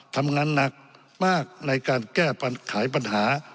ทำงานหนักมากในการแก้ไขปัญหา